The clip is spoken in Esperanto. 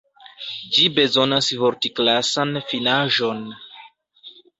Ĝi bezonas vortklasan finaĵon.